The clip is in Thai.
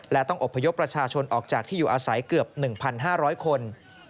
และต้องอบพยพประชาชนออกจากที่อยู่อาศัยเกือบ๑๕๐๐คน